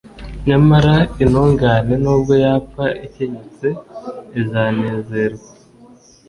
nyamara intungane, n'ubwo yapfa ikenyutse, izanezerwa